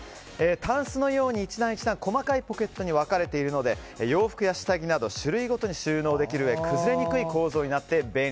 たんすのように１段１段細かいポケットに分かれているので洋服や下着など種類ごとに収納できるうえ崩れにくい構造です。